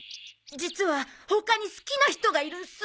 実は他に好きな人がいるんす。